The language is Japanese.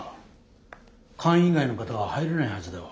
会員以外の方は入れないはずでは。